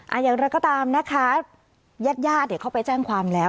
อ่าอย่างนั้นก็ตามนะคะญาติเดี๋ยวเข้าไปแจ้งความแล้ว